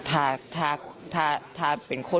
ถ้าถ้า